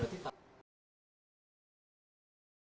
tapi yang saya rasa ini memang sudah schwierig